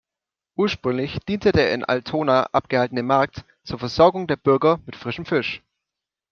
Ursprünglich diente der in Altona abgehaltene Markt zur Versorgung der Bürger mit frischem Fisch.